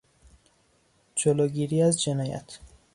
جلوگیری از جنایت